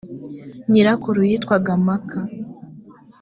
nyirakuru yitwaga maka